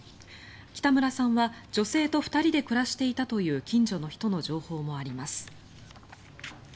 北村さんは女性と２人で暮らしていたという近所の人の情報もあります。